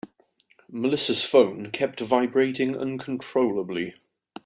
Melissa's phone kept vibrating uncontrollably.